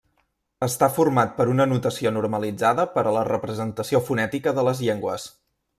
Està format per una notació normalitzada per a la representació fonètica de les llengües.